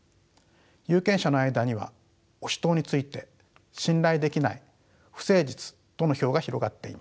有権者の間には保守党について信頼できない不誠実との評が広がっています。